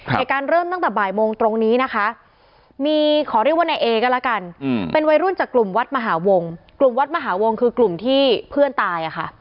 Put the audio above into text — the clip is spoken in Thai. เหตุการณ์เริ่มตั้งแต่บ่ายโมงตรงนี้นะคะมีขอเรียกว่านายเอก็แล้วกันเป็นวัยรุ่นจากกลุ่มวัดมหาวงกลุ่มวัดมหาวงคือกลุ่มที่เพื่อนตายอะค่ะ